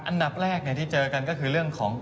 อันดับแรกที่เจอกันก็คือเรื่องของ